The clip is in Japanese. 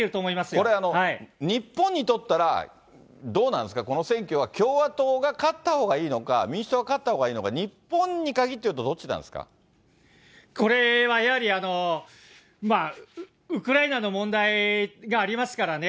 これ、日本にとったらどうなんですか、この選挙は共和党が勝ったほうがいいのか、民主党が勝ったほうがいいのか、日本に限っこれはやはり、ウクライナの問題がありますからね。